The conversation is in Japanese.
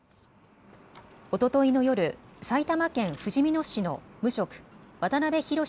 おとといの夜、埼玉県ふじみ野市の無職、渡邊宏